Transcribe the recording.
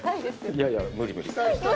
いやいや、無理無理。